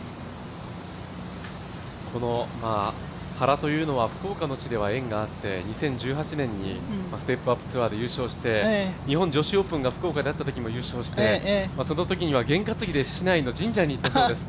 この原というのは福岡の地では縁があって２０１８年にステップ・アップ・ツアーで優勝して日本女子オープンが福岡であったときも優勝してそのときには験担ぎで市内の神社に行ったそうです。